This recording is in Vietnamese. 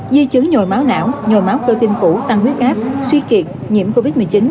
di chứng nhồi máu não nhồi máu cơ tim cũ tăng huyết áp suy kiệt nhiễm covid một mươi chín